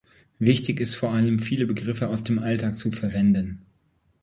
Wichtig ist es vor allem, viele Begriffe aus dem Alltag zu verwenden.